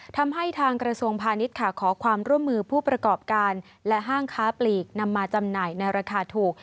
ทางกระทรวงพาณิชย์ค่ะขอความร่วมมือผู้ประกอบการและห้างค้าปลีกนำมาจำหน่ายในราคาถูก